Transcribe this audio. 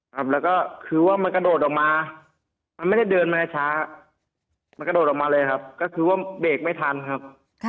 ครับแล้วก็คือว่ามันกระโดดออกมามันไม่ได้เดินมาช้ามันกระโดดออกมาเลยครับก็คือว่าเบรกไม่ทันครับ